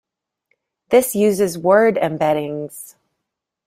This uses word embeddings.